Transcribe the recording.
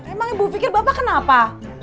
emang ibu pikir bapak kenapa